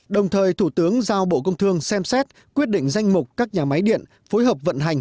đồng thời thủ tướng giao bộ công thương xem xét quyết định danh mục các nhà máy điện phối hợp vận hành